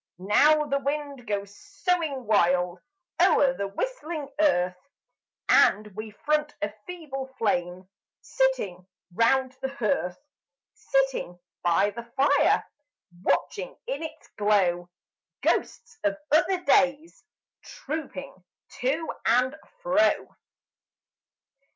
Now the wind goes soughing wild O'er the whistling Earth; And we front a feeble flame, Sitting round the hearth: Sitting by the fire, Watching, in its glow, Ghosts of other days Trooping to and fro!